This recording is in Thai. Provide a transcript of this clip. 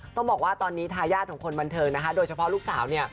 ต้องบอกว่าตอนนี้ท้าย่าของคนมันเทิงโดยเฉพาะลูกสาว